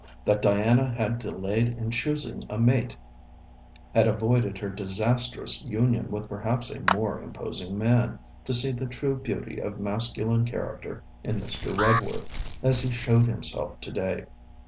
that Diana had delayed in choosing a mate; had avoided her disastrous union with perhaps a more imposing man, to see the true beauty of masculine character in Mr. Redworth, as he showed himself to day.